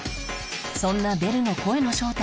そんなベルの声の正体